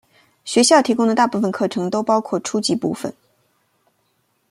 学校提供的大部分课程都包括初级部分。